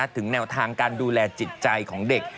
ถึงแนวทางการดูแลจิตใจของเด็ก